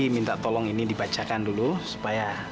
menjadi pria saya